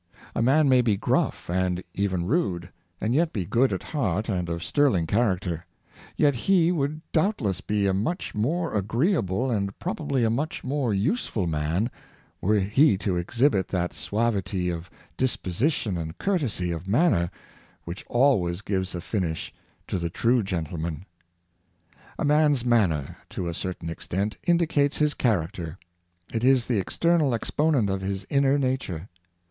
'' A man may be gruff, and even rude, and yet be good at heart and of sterHng character; yet he would doubtless be a much more agreeable, and proba bly a much more useful man, were he to exhibit that suavity of disposition and courtesy of manner which always gives a finish to the true gentleman. A man's manner, to a certain extent, indicates his character. It is the external exponent of his inner na ture.